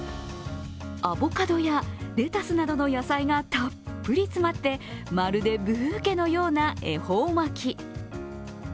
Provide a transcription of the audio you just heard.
アボカドやレタスなどの野菜がたっぷり詰まってまるでブーケのような恵方巻き。